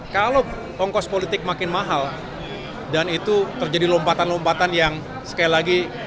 kalau ongkos politik makin mahal dan itu terjadi lompatan lompatan yang sekali lagi